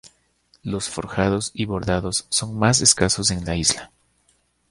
Los forjados y bordados son más escasos en la isla.